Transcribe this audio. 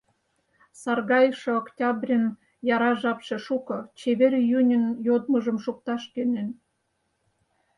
Саргайыше октябрьын яра жапше шуко, чевер июньын йодмыжым шукташ кӧнен.